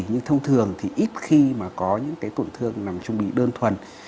nhưng thông thường thì ít khi mà có những cái tổn thương nằm chung bì đơn thuần